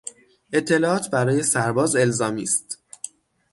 اطلاعات برای سرباز الزامی است.